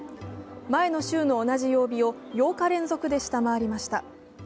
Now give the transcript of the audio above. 前の週の同じ曜日を８日連続で下回りました。